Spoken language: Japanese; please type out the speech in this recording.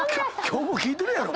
今日も聞いてる！